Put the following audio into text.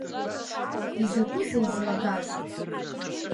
Изакәызеи излагаз?